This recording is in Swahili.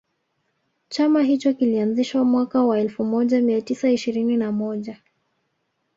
Chama hicho kilianzishwa mwaka wa elfumoja mia tisa ishirini na moja